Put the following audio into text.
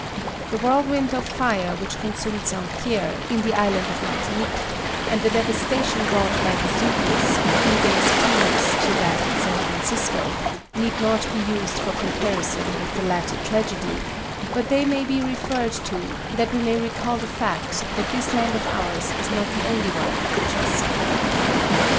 The whirlwind of fire which consumed St. Pierre, in the Island of Martinique, and the devastation wrought by Vesuvius a few days previous to that at San Francisco, need not be used for comparison with the latter tragedy, but they may be referred to, that we may recall the fact that this land of ours is not the only one which has suffered.